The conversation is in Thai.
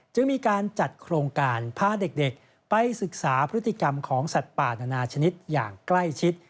จึงมีการจัดโครงการพาเด็กไปศึกษาพฤติกรรมของสัตว์ป่านานาชนิดอย่างใกล้ชิด